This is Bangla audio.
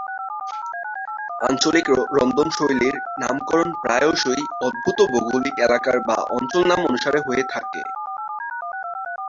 আঞ্চলিক রন্ধনশৈলীর নামকরণ প্রায়শই উদ্ভূত ভৌগোলিক এলাকার বা অঞ্চল নাম অনুসারে হয়ে থাকে।